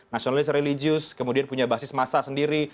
nasionalist religius kemudian punya basis massa sendiri